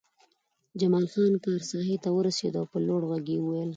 جمال خان کار ساحې ته ورسېد او په لوړ غږ یې وویل